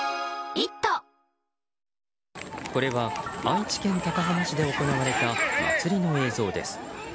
これは愛知県高浜市で行われた祭りの映像です。